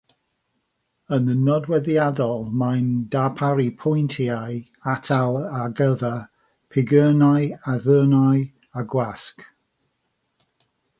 Yn nodweddiadol mae'n darparu pwyntiau atal ar gyfer pigyrnau, arddyrnau, a gwasg.